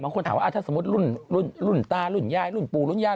คนถามว่าถ้าสมมุติรุ่นตารุ่นยายรุ่นปู่รุ่นยาย